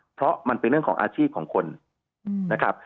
เพราะมันเป็นเรื่องของอาชีพของคนนะครับ